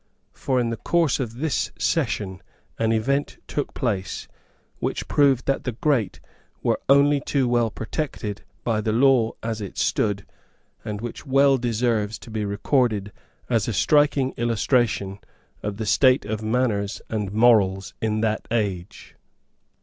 For in the course of this session an event took place which proved that the great were only too well protected by the law as it stood, and which well deserves to be recorded as a striking illustration of the state of manners and morals in that age.